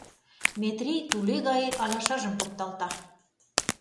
Метрий туле гай алашажым покталта.